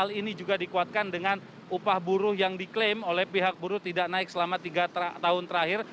hal ini juga dikuatkan dengan upah buruh yang diklaim oleh pihak buruh tidak naik selama tiga tahun terakhir